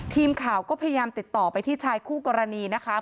ทีมข่าวก็พยายามติดต่อไปที่ชายคู่กรณีนะคะ